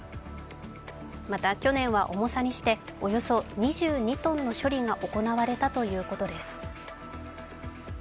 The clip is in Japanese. また去年は重さにしておよそ２２ｔの処理が行われたということです。